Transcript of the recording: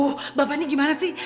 oh bapak ini gimana sih